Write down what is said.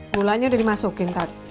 gulanya udah dimasukin tadi